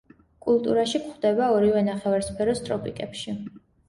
კულტურაში გვხვდება ორივე ნახევარსფეროს ტროპიკებში.